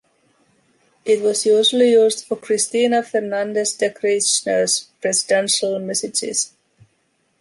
It was usually used for Cristina Fernández de Kirchner’s presidential messages.